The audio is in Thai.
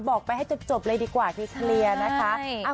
บอกไปให้จบเลยดีกว่าดิฉันเคลียร์นะคะ